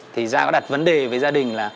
thì gia đình có đặt vấn đề với gia đình